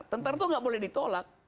tentara itu nggak boleh ditolak